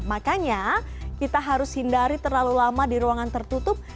makanya kita harus hindari terlalu lama di ruangan tertutup